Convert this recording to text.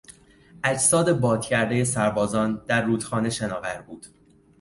اجساد باد کردهی سربازان در روخانه شناور بود.